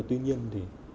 tuy nhiên thì